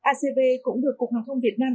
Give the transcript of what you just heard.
acv cũng được cục hàng không việt nam